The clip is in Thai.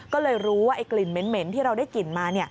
ก็เลยรู้ว่าไอ้กลิ่นเหม็นที่เราได้กลิ่นมา